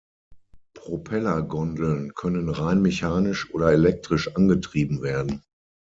Propellergondeln können rein mechanisch oder elektrisch angetrieben werden.